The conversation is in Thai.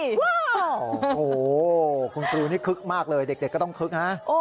โอ้โหคุณครูนี่คึกมากเลยเด็กก็ต้องคึกนะ